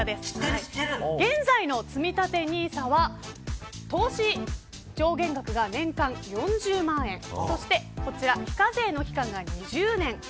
現在のつみたてＮＩＳＡは投資上限額が年間４０万円そして、こちら非課税の期間が２０年。